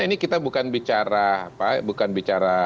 ini kita bukan bicara